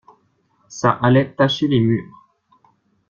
Ça allait tacher les murs.